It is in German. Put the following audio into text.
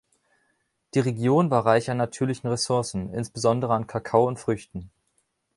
Die Region war reich an natürlichen Ressourcen, insbesondere an Kakao und Früchten.